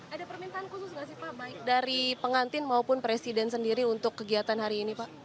ada permintaan khusus nggak sih pak baik dari pengantin maupun presiden sendiri untuk kegiatan hari ini pak